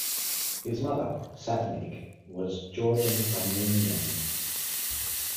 His mother, Satenik, was Georgian Armenian.